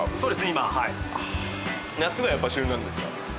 今はい夏がやっぱ旬なんですか？